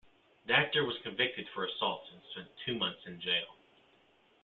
The actor was convicted for assault and spent two months in jail.